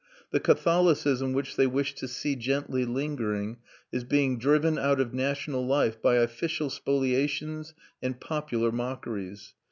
The Catholicism which they wished to see gently lingering is being driven out of national life by official spoliations and popular mockeries.